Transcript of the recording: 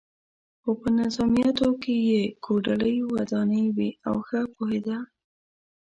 خو په نظمیاتو کې یې کوډلۍ ودانې وې او ښه پوهېده.